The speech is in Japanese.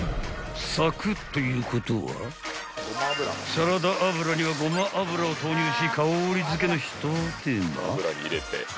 ［サラダ油にはごま油を投入し香り付けの一手間］